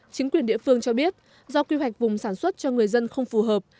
chính quyền địa phương cho biết do quy hoạch vùng sản xuất cho người dân không phù hợp